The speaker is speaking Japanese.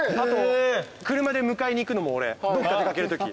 車で迎えに行くのも俺どっか出掛けるとき。